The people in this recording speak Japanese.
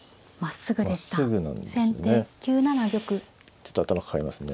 ちょっと頭抱えますね。